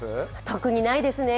特にないですね。